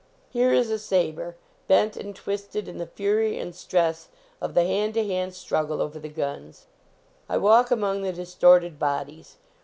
Here is a saber, bent and twisted in the fury and stress of the hand to hand struggle over the guns. I walk among the distorted bodies.